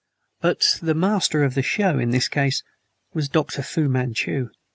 But "the Master of the Show," in this case, was Dr. Fu Manchu!